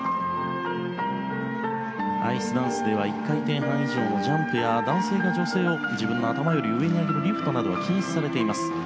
アイスダンスでは１回転半以上のジャンプや男性が女性を自分の頭より上に上げるリフトなどは禁止されています。